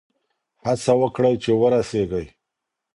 هڅه وکړئ چي ورسېږئ.